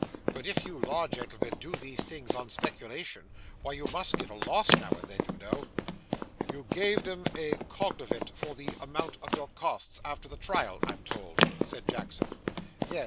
'But if you law gentlemen do these things on speculation, why you must get a loss now and then, you know.' 'You gave them a _cognovit _for the amount of your costs, after the trial, I'm told!' said Jackson. 'Yes.